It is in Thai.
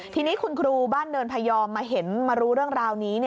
ทีนี้คุณครูบ้านเนินพยอมมาเห็นมารู้เรื่องราวนี้